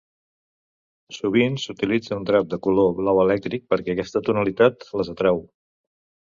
Sovint s'utilitza un drap de color blau elèctric, perquè aquesta tonalitat les atrau.